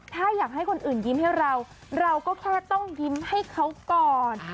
ถ้าอยากให้คนอื่นยิ้มให้เราเราก็แค่ต้องยิ้มให้เขาก่อน